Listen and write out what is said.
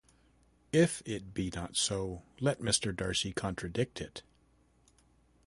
If it be not so, let Mr. Darcy contradict it.